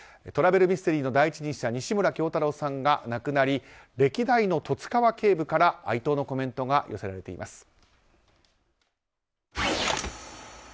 トラベルミステリーの第一人者西村京太郎さんが亡くなり歴代の十津川警部から哀悼のコメントが寄せられています。